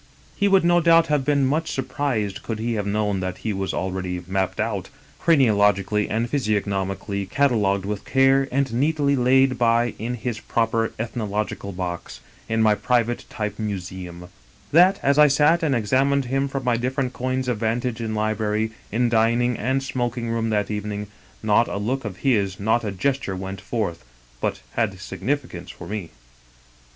" He would no doubt have been much surprised could he have known that he was already mapped out, crani ologically and physiognomically, catalogued with care and neatly laid by in his proper ethnological box, in my private type museum; that, as I sat and examined him from my "5 English Mystery Stories different coigns of vantage in library, in dining and smoking room that evening, not a look of his, not a gesture went forth but had significance for me.